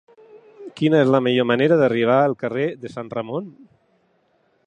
Quina és la millor manera d'arribar al carrer de Sant Ramon?